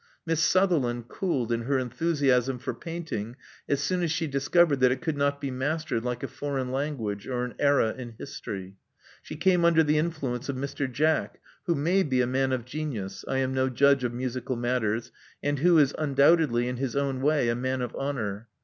Miss . Sutherland cooled in her enthusiasm for painting as soon as she discovered that it could not be mastered like a foreign language or an era in history. She came under the influence of Mr. Jack, who may be a man of genius — I am no judge of musical matters — and who is undoubtedly, in his own way, a man of honor.